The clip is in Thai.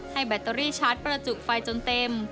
แบตเตอรี่ชาร์จประจุไฟจนเต็ม